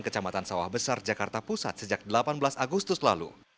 kecamatan sawah besar jakarta pusat sejak delapan belas agustus lalu